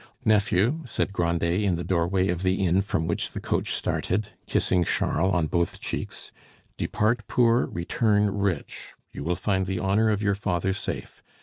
"Nephew," said Grandet, in the doorway of the inn from which the coach started, kissing Charles on both cheeks, "depart poor, return rich; you will find the honor of your father safe.